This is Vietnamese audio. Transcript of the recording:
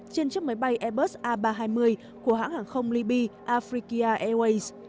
trên chiếc máy bay airbus a ba trăm hai mươi của hãng hàng không libby africa airways